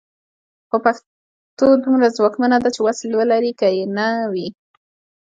خو پښتو دومره ځواکمنه ده چې وس ولري که یې نه وي.